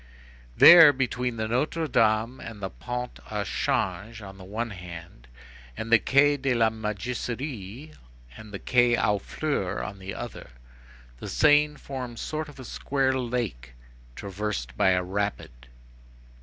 There, between the Notre Dame and the Pont au Change on the one hand, and the Quai de la Mégisserie and the Quai aux Fleurs on the other, the Seine forms a sort of square lake, traversed by a rapid.